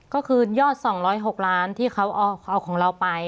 ก็คือยอด๒๐๖ล้านที่เขาเอาของเราไป